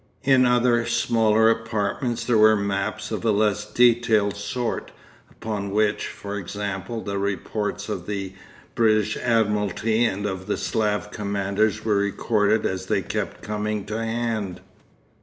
In other smaller apartments there were maps of a less detailed sort, upon which, for example, the reports of the British Admiralty and of the Slav commanders were recorded as they kept coming to hand.